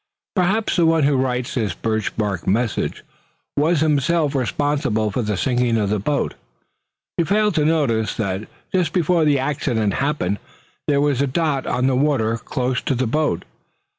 "Perhaps the one who writes this birch bark message was himself responsible for the sinking of the boat. You failed to notice that just before the accident happened there was a dot on the water close to the boat.